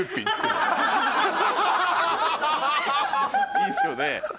いいですよね？